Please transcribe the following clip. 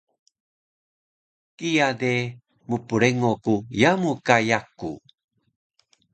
Kiya de mprengo ku yamu ka yaku